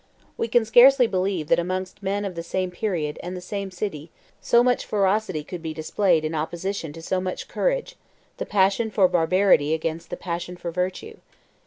We can scarce believe that amongst men of the same period and the same city so much ferocity could be displayed in opposition to so much courage, the passion for barbarity against the passion for virtue.